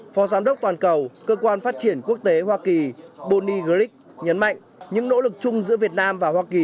phó giám đốc toàn cầu cơ quan phát triển quốc tế hoa kỳ bonie gric nhấn mạnh những nỗ lực chung giữa việt nam và hoa kỳ